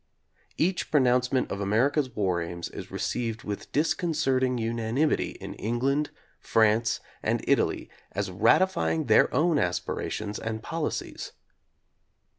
Each pronouncement of America's war aims is received with disconcerting unanimity in England, France and Italy as ratify ing their own aspirations and policies.